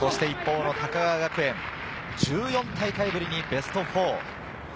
一方の高川学園、１４大会ぶりにベスト４。